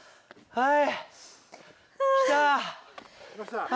はい。